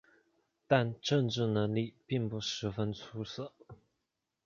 但政治能力并不十分出色。